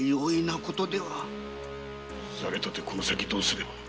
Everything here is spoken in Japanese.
さりとてこの先どうすれば？